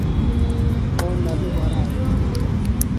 اور نہ دوبارہ آئے گا۔